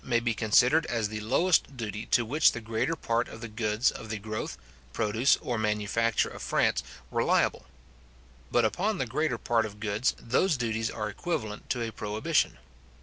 may be considered as the lowest duty to which the greater part of the goods of the growth, produce, or manufacture of France, were liable. But upon the greater part of goods, those duties are equivalent to a prohibition.